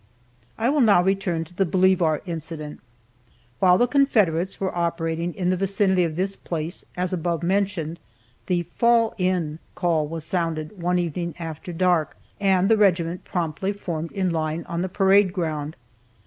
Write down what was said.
I will now return to the Bolivar incident. While the Confederates were operating in the vicinity of this place, as above mentioned, the "fall in" call was sounded one evening after dark, and the regiment promptly formed in line on the parade ground.